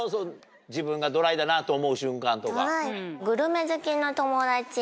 自分がドライだなと思う瞬間とか。